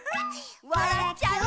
「わらっちゃう」